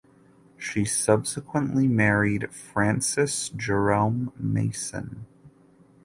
She subsequently married Francis Jerome Mason.